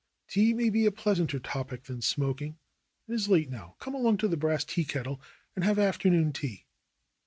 "Tea may be a pleasanter topic than smoking. It is late now. Come along to the Brass Tea Kettle and have afternoon tea."